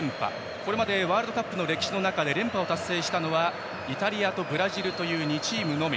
これまでワールドカップの歴史で連覇を達成したのはイタリアとブラジルという２チームのみ。